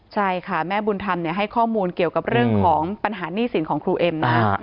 ใช่ค่ะแม่บุญธรรมให้ข้อมูลเกี่ยวกับเรื่องของปัญหาหนี้สินของครูเอ็มนะ